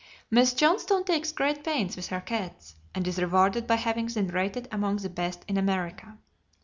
Miss Johnstone takes great pains with her cats, and is rewarded by having them rated among the best in America.